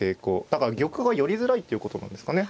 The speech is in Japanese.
だから玉が寄りづらいっていうことなんですかね。